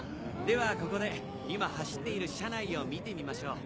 ではここで今走っている車内を見てみましょう。